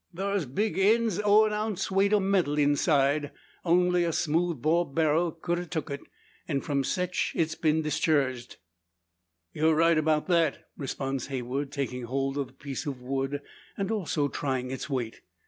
Thar's big eends o' an ounce weight o' metal inside. Only a smooth bore barrel ked a tuk it; an' from sech it's been dischurged." "You're right about that," responds Heywood, taking hold of the piece of wood, and also trying its weight.